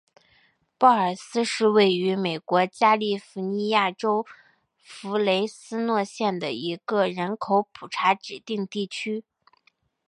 鲍尔斯是位于美国加利福尼亚州弗雷斯诺县的一个人口普查指定地区。